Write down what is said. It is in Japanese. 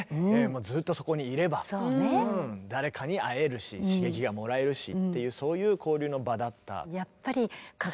ずっとそこにいれば誰かに会えるし刺激がもらえるしっていうそういう交流の場だった。